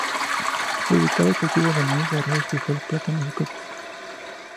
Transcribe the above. Se dedicaba al cultivo de maíz, arroz, frijol, plátanos y cocos.